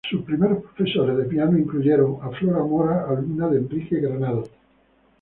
Sus primeros profesores de piano incluyeron a Flora Mora, alumna de Enrique Granados.